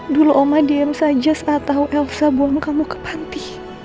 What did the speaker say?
dulu oma diem saja saat tahu elsa buangmu kamu ke panti